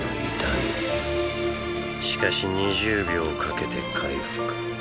しかし２０秒かけて回復。